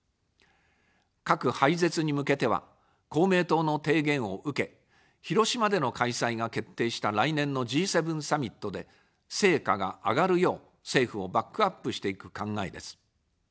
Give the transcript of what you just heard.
核廃絶に向けては、公明党の提言を受け、広島での開催が決定した来年のＧ７サミットで成果が上がるよう政府をバックアップしていく考えです。